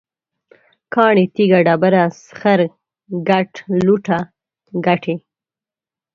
کاڼی، تیږه، ډبره، سخر، ګټ، لوټه، ګټی